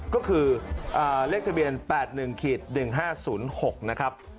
ก็คือเลขทะเบียน๘๑๑๕๐๖นะครับ